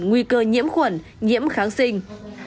nguy cơ nhiễm khuẩn nhiễm kháng sinh